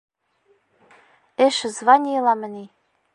Эш званиеламы ни?